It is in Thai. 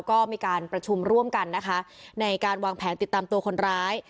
ก็มีการประชุมร่วมกันนะคะในการวางแผนติดตามตัวคนร้าย